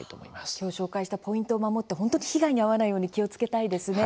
今日、紹介したポイントを守って本当に被害に遭わないように気をつけたいですね。